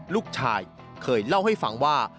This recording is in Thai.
ลูกชายเคยเล่าให้ฟังว่า